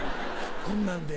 こんなんで？